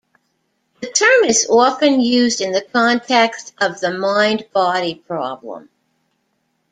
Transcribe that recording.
The term is often used in the context of the mind body problem.